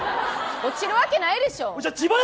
落ちるわけないでしょ。